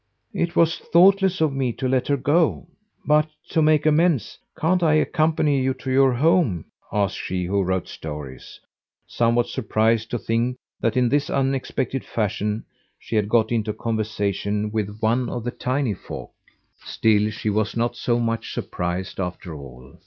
"It was thoughtless of me to let her go. But to make amends, can't I accompany you to your home?" asked she who wrote stories, somewhat surprised to think that in this unexpected fashion she had got into conversation with one of the tiny folk. Still she was not so much surprised after all.